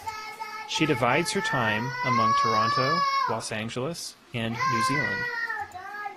She divides her time among Toronto, Los Angeles and New Zealand.